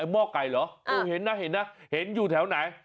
ล่ะม่อไก่เห็นน่ะเห็นอยู่แถวไหน